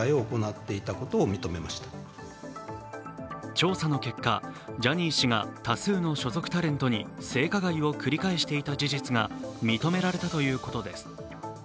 調査の結果、ジャニー氏が多数の所属タレントに性加害を繰り返していた事実が認められたということです。